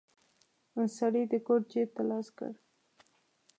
سړی د کوټ جيب ته لاس کړ.